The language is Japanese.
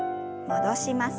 戻します。